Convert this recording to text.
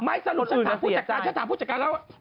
ไม่สรุปถ้าถามผู้จัดการถ้าถามผู้จัดการแล้ว